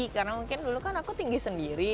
karena mungkin dulu kan aku tinggi sendiri